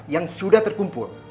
yang sudah terkumpul